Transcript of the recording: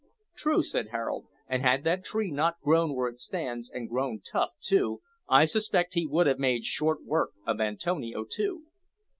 "True," said Harold; "and had that tree not grown where it stands, and grown tough, too, I suspect he would have made short work of Antonio too."